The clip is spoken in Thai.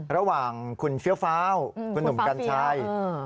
ระหว่างคุณเฟี้ยวฟ้าวคุณหนุ่มกัญชัย